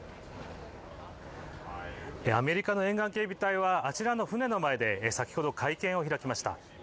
アメリカの沿岸警備隊はあちらの船の前で先ほど、会見を開きました。